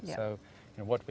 adalah yang pertama